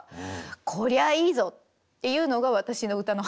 こりゃいいぞっていうのが私の歌の始まりです。